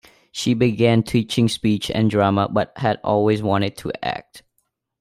She began teaching speech and drama, but had always wanted to act.